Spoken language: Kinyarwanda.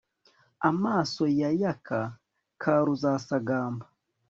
Amaso ya ук ka ruzasagamba